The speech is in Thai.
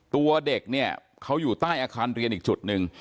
ตัวเด็กเนี่ยเขาอยู่ใต้อาคารเรียนอีกจุดหนึ่ง